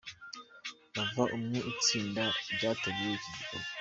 Vava umwe mu itsinda ryateguye iki gikorwa.